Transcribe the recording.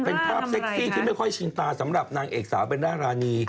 เป็นภาพเซ็กซี่ที่ไม่ค่อยชินตาสำหรับนางเอกสาวเบลล่ารานี